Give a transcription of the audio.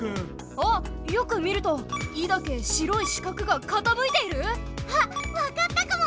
あっよく見ると「イ」だけ白い四角がかたむいている⁉あっわかったかも！